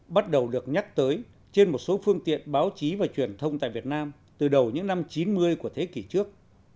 bắt đầu được nhắc tới trên một số phương tiện báo chí và truyền thông tại việt nam từ đầu những năm chín mươi của thế kỷ trước